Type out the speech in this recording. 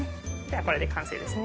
これで完成ですね。